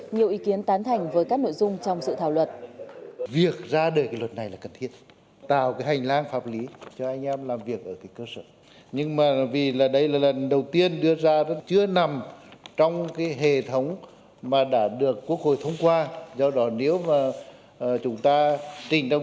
nhiều ý kiến tán thành với các nội dung trong sự thảo luật